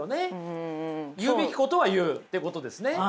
言うべきことは言うってことですね。